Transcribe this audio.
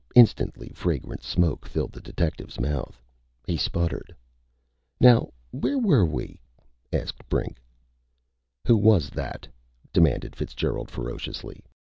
Instantly fragrant smoke filled the detective's mouth. He sputtered. "Now.... where were we?" asked Brink. "Who was that?" demanded Fitzgerald ferociously.